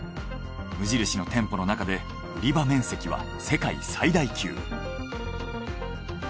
無印の店舗のなかで売り場面積は世界最大級。